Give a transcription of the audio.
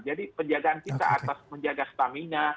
jadi penjagaan kita atas menjaga stamina